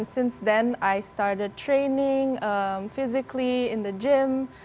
dan sejak itu saya mulai berlatih secara fisik di gym